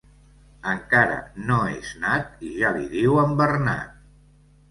Encara no és nat i ja li diuen Bernat.